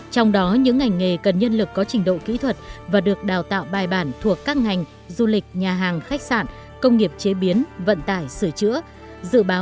trong đó những ngành nghề cần nhân lực có trình độ kỹ thuật và được đào tạo bài bản thuộc các ngành du lịch nhà hàng khách sạn công nghiệp chế biến vận tải sửa chữa